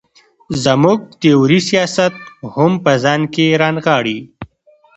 زموږ تیوري سیاست هم په ځان کې را نغاړي.